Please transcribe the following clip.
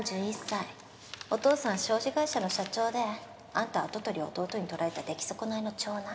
お父さんは商事会社の社長であんたは跡取りを弟に取られた出来損ないの長男。